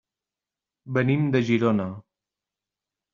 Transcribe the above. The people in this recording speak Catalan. Venim de Girona.